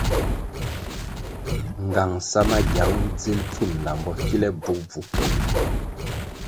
Ngang sa magiang dzil pfun lambo kile bvugubvu ke wu.